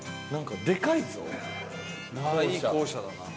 いい校舎だな。